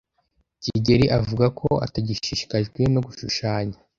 kigeli avuga ko atagishishikajwe no gushushanya.